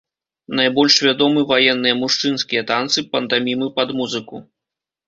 Найбольш вядомы ваенныя мужчынскія танцы, пантамімы пад музыку.